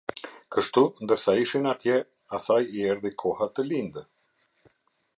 Kështu, ndërsa ishin atje, asaj i erdhi koha të lindë.